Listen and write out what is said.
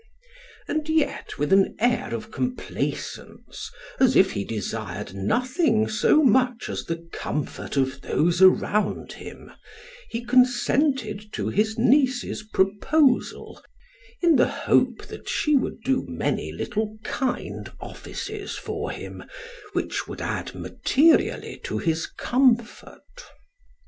And yet, with an air of complaisance, as if he desired nothing so much as the comfort of those around him, he consented to his niece's proposal, in the hope that she would do many little kind offices for him, which would add materially to his comfort.